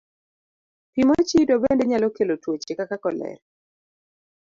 Pi mochido bende nyalo kelo tuoche kaka kolera.